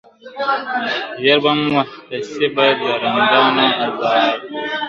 ژر به محتسبه د رندانو آزار ووینې !.